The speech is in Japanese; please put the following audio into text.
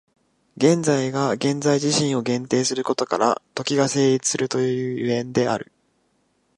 現在が現在自身を限定することから、時が成立するともいう所以である。